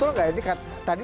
terima kasih banyak banyak